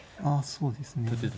あそうですね。